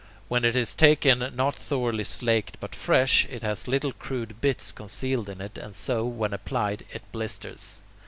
When it is taken not thoroughly slaked but fresh, it has little crude bits concealed in it, and so, when applied, it blisters.